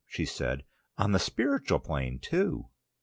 she said. "On the spiritual plane too!"